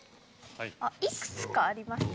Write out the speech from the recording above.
いくつかありますね。